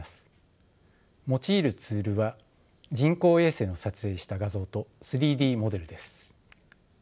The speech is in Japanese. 用いるツールは人工衛星の撮影した画像と３Ｄモデルです。